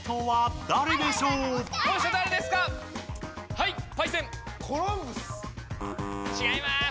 はい。